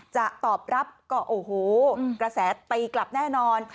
จะตอบรับก็โอ้โหกระแสตีกลับแน่นอน